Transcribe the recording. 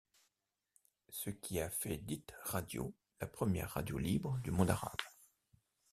Ce qui a fait d'Hit Radio la première radio libre du monde arabe.